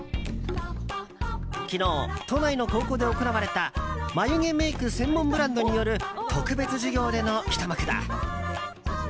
昨日、都内の高校で行われた眉毛メイク専門ブランドによる特別授業でのひと幕だ。